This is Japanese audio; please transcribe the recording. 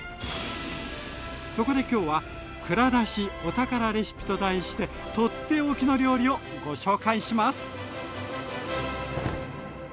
そこできょうは「蔵出し！お宝レシピ」と題して取って置きの料理をご紹介します！